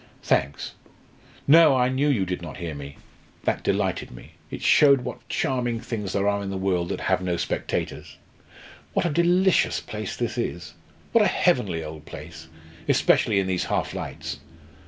"Thanks. No, I knew you did not hear me. That delighted me. It showed what charming things there are in the world that have no spectators! What a delicious place this is! what a heavenly old place especially in these half lights!